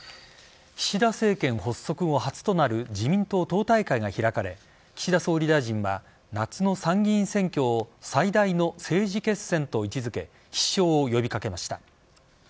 岸田政権発足後初となる自民党党大会が開かれ岸田総理大臣は夏の参議院選挙を最大の政治決戦と位置付け必勝を呼び掛けました。